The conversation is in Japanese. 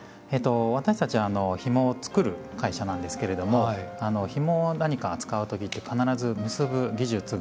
私たちひもを作る会社なんですけれどもひもを何か扱う時って必ず結ぶ技術が必要になってきます。